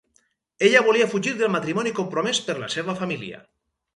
Ella volia fugir del matrimoni compromés per la seua família...